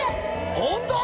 ホント？